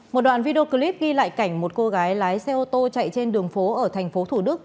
một đoạn video clip ghi lại cảnh một cô gái lái xe ô tô chạy trên đường phố ở thành phố thủ đức